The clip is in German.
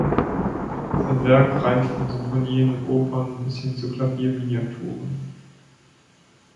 Sein Werk reicht von Symphonien und Opern bis hin zu Klavier-Miniaturen.